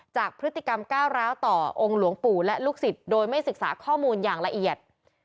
จากพฤติกรรมก้าวร้าวต่อองค์หลวงปู่และลูกศิษย์โดยไม่ศึกษาข้อมูลอย่างละเอียด